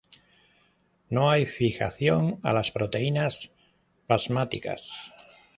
No hay fijación a las proteínas plasmáticas.